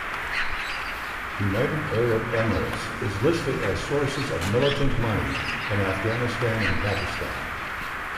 United Arab Emirates is listed as sources of militant money in Afghanistan and Pakistan.